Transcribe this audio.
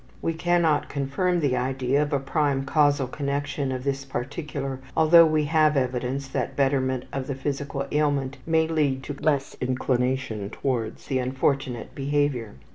We cannot confirm the idea of a prime causal connection in this particular, although we have evidence that betterment of the physical ailment may lead to less inclination towards the unfortunate behavior.